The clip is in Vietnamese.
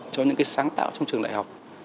cho những cái sáng tạo trong trường đại học